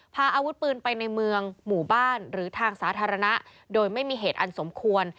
พาอาวุธปืนไปในเมืองหมู่บ้านหรือทางสาธารณะโดยไม่มีเหตุอันสมควร